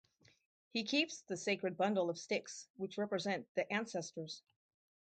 He keeps the sacred bundle of sticks which represent the ancestors.